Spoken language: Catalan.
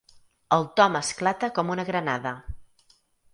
El Tom esclata com una granada.